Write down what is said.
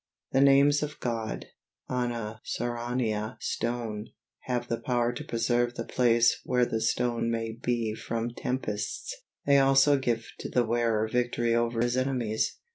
The names of God, on a ceraunia stone, have the power to preserve the place where the stone may be from tempests; they also give to the wearer victory over his enemies.